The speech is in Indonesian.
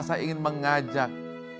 saya ingin mengajak